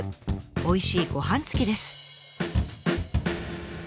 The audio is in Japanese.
おいしいごはん付きです。